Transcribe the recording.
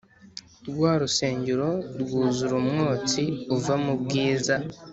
Rwa rusengero rwuzura umwotsi uva mu bwiza